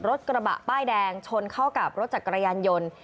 รถกระบะป้ายแดงชนเข้ากับรถจักรยานยนต์